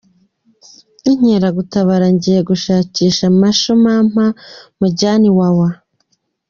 Nk’inkeragutabara ngiye gushakisha Masho Mampa mujyane Iwawa”.